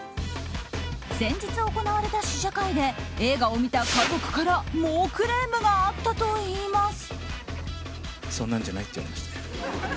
先日行われた試写会で映画を見た家族から猛クレームがあったといいます。